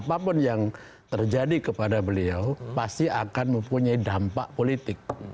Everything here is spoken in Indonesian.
apapun yang terjadi kepada beliau pasti akan mempunyai dampak politik